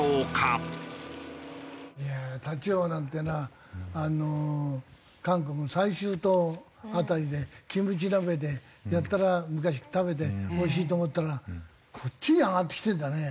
タチウオなんていうのは韓国の済州島辺りでキムチ鍋でやたら昔食べておいしいと思ったらこっちに上がってきてるんだね。